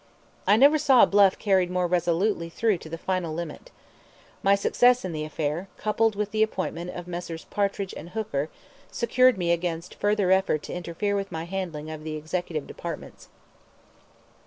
I never saw a bluff carried more resolutely through to the final limit. My success in the affair, coupled with the appointment of Messrs. Partridge and Hooker, secured me against further effort to interfere with my handling of the executive departments.